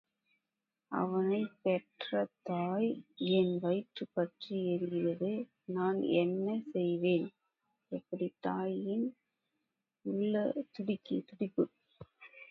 அவனைப் பெற்ற என் வயிறு பற்றி எரிகிறதே, நான் என்ன செய்வேன்? எப்படித் தாயின் உள்ளத்துடிப்பு?